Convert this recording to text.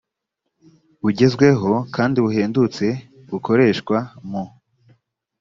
bugezweho kandi buhendutse bukoreshwa mu